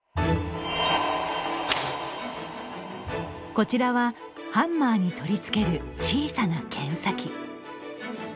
こちらはハンマーに取り付ける小さな検査機。